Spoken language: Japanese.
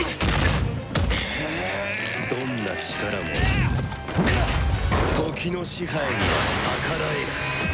どんな力も時の支配には逆らえない。